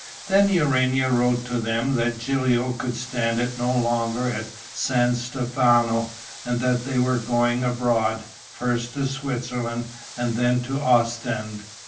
Then Urania wrote to them that Gilio could stand it no longer at San Stefano and that they were going abroad, first to Switzerland and then to Ostend.